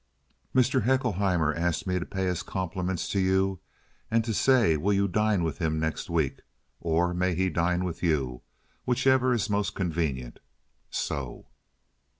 Mr. Haeckelheimer askt me to pay his complimends to you unt to say vill you dine vit him next veek, or may he dine vit you—vicheffer iss most conveniend. So."